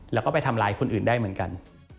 แล้วก็ไปทำร้ายคนอื่นได้เหมือนกัน